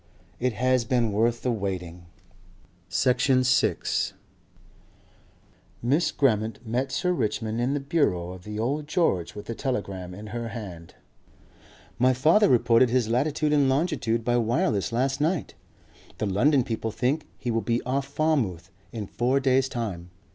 IT HAS BEEN WORTH THE WAITING...." Section 6 Miss Grammont met Sir Richmond in the bureau of the Old George with a telegram in her hand. "My father reported his latitude and longitude by wireless last night. The London people think he will be off Falmouth in four days' time.